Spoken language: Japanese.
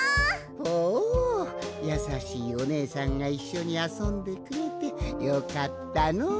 ほうやさしいおねえさんがいっしょにあそんでくれてよかったのう。